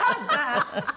ハハハハ。